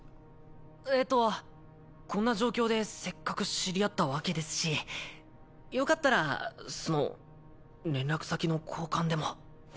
えっとこんな状況でせっかく知り合ったわけですしよかったらその連絡先の交換でも。